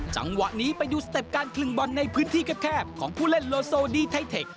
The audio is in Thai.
จังหวะนี้ไปดูสเต็ปการคลึงบอลในพื้นที่แคบของผู้เล่นโลโซดีไทเทค